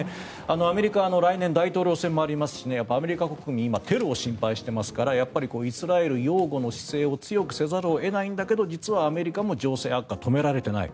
アメリカは来年大統領選もありますしアメリカ国民は今、テロを心配していますからやっぱりイスラエル擁護の姿勢を強くせざるを得ないんだけど実はアメリカも情勢悪化が止められていない。